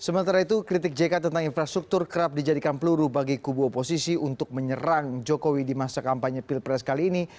sementara itu kritik jk tentang infrastruktur kerap dijadikan peluru bagi kubu oposisi untuk menyerang jokowi di masa kampanye pilpres kali ini